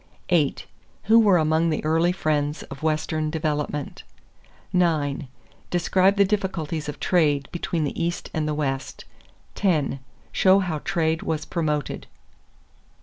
8. Who were among the early friends of Western development? 9. Describe the difficulties of trade between the East and the West. 10. Show how trade was promoted.